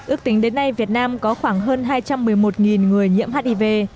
ước tính đến nay việt nam có khoảng hơn hai trăm một mươi một người nhiễm hiv